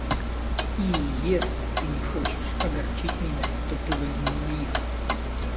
И если ты не хочешь огорчить меня, то ты возьми моих.